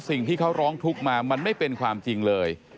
สิ่งที่เขาร้องทุกข์มามันไม่เป็นความจริงเลย